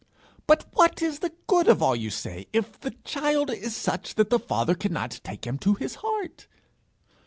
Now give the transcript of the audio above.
'But what is the good of all you say, if the child is such that the father cannot take him to his heart?'